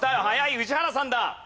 宇治原さんだ。